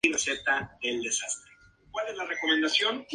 Castro García, Óscar.